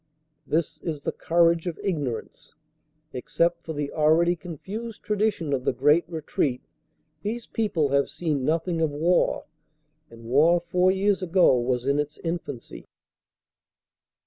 This is the courage of ignorance. Ex cept for the already confused tradition of the Great Retreat, these people have seen nothing of war. And war four years ago was in its infancy.